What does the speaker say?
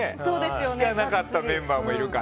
聞かなかったメンバーもいるから。